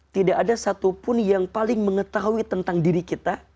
tidak ada satupun yang paling mengetahui tentang diri kita